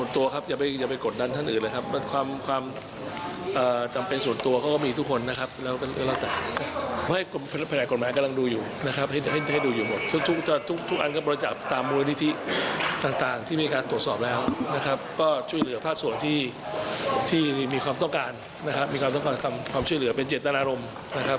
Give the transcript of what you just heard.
เพราะที่มีความต้องการนะครับมีความต้องการความช่วยเหลือเป็นเจตนารมณ์นะครับ